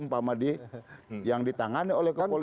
umpama yang ditangani oleh kepolisian